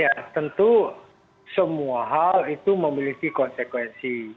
ya tentu semua hal itu memiliki konsekuensi